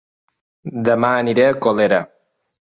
Dema aniré a Colera